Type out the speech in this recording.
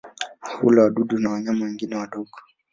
Hula wadudu na wanyama wengine wadogo.